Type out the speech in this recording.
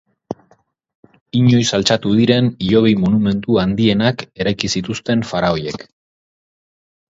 Inoiz altxatu diren hilobi monumentu handienak eraiki zituzten faraoiek.